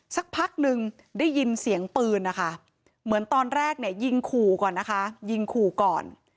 สักพักนึงได้ยินเสียงปืนนะคะเหมือนตอนแรกเนี่ยยิงขู่ก่อนนะคะยิงขู่ก่อน